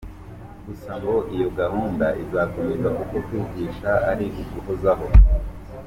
Gusa ngo iyi gahunda izakomeza kuko kwigisha ari uguhozaho.